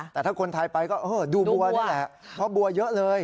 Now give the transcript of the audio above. แต่ถ้าคนไทยไปก็ดูบัวนี่แหละเพราะบัวเยอะเลย